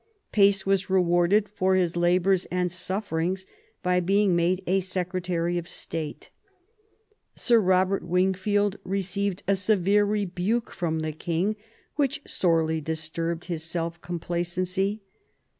Pace was rewarded for his labours and sufferings by being made a secretary of state. Sir Robert Wingfield received a severe rebuke from the king, which sorely disturbed his self complacency.